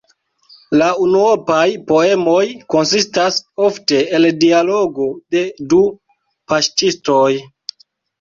La unuopaj poemoj konsistas ofte el dialogo de du paŝtistoj.